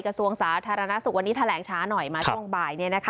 กระทรวงสาธารณสุขวันนี้แถลงช้าหน่อยมาช่วงบ่าย